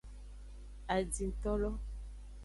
Adintolo.